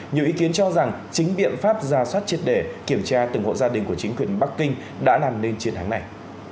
nhiều ý kiến cho rằng chính biện pháp giả soát triệt để kiểm tra từng hộ gia đình của chính quyền bắc kinh đã làm nên chiến thắng này